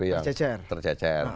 ktp yang tercecer